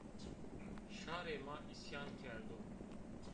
Şarê ma îsyan kerdo